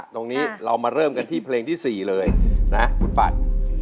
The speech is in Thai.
ตรงนี้เรามาเริ่มกันที่เพลงที่๔เลยนะคุณปัด